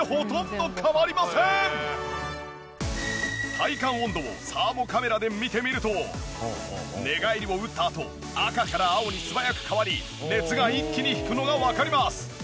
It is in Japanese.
体感温度を寝返りを打ったあと赤から青に素早く変わり熱が一気に引くのがわかります。